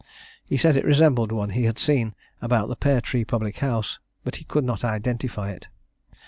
He said it resembled one he had seen about the Pear Tree public house, but he could not identify it.